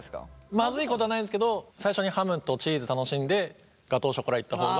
まずいことはないですけど最初にハムとチーズ楽しんでガトーショコラいった方が。